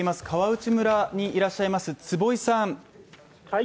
川内村にいらっしゃいます坪井さん。